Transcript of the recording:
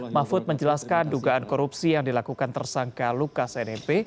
mahfud menjelaskan dugaan korupsi yang dilakukan tersangka lukas nmb